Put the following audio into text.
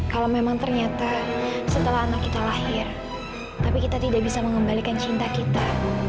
kalau memang ternyata setelah anak kita lahir tapi kita tidak bisa mengembalikan cinta kita